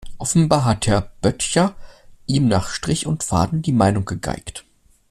Offenbar hat Herr Böttcher ihm nach Strich und Faden die Meinung gegeigt.